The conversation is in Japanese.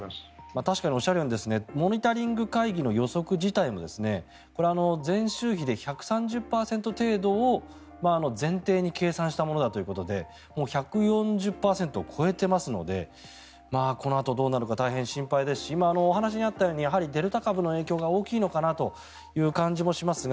確かにモニタリング会議の予測自体も前週比で１３０％程度を前提に計算したものだということでもう１４０％を超えていますのでこのあと、どうなるのか大変心配ですしお話にあったようにデルタ株の影響が大きいのかなという感じもしますが